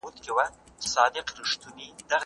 ډیجیټل ډیټا د ژبې د ژوند ضمانت کوي.